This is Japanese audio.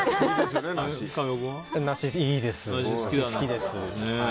ナシいいです、好きです。